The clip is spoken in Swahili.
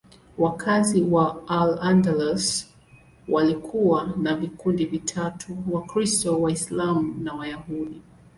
Wakazi wa Al-Andalus walikuwa wa vikundi vitatu: Wakristo, Waislamu na Wayahudi.